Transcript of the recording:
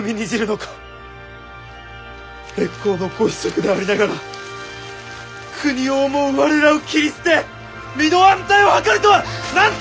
烈公のご子息でありながら国を思う我らを切り捨て身の安泰を図るとはなんという日和見の小者！